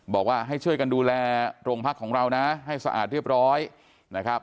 บอกว่าให้ช่วยกันดูแลโรงพักของเรานะให้สะอาดเรียบร้อยนะครับ